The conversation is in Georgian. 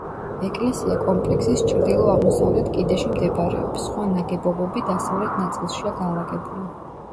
ეკლესია კომპლექსის ჩრდილო-აღმოსავლეთ კიდეში მდებარეობს, სხვა ნაგებობები დასავლეთ ნაწილშია განლაგებული.